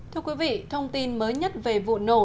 thưa quý vị thông tin mới nhất về vụ nổ